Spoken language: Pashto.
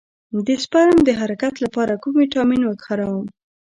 د سپرم د حرکت لپاره کوم ویټامین وکاروم؟